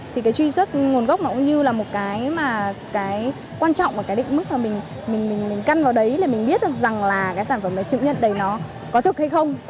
thì cái truy xuất nguồn gốc cũng như là một cái quan trọng và cái định mức mà mình căn vào đấy để mình biết được rằng là cái sản phẩm này chứng nhận đầy nó có thực hay không